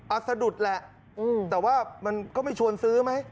สะดุดแหละแต่ว่ามันก็ไม่ชวนซื้อไหม